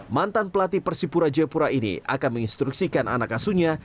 mantan pelatih persipura jepura ini akan menginstruksikan anak kasunya